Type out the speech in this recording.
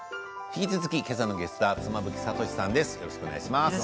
引き続き今朝のゲストは妻夫木聡さんです。